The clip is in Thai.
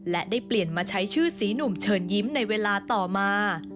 และได้เปลี่ยนมาใช้ชื่อสีหนุ่มเชิญยิ้มในเวลาต่อมา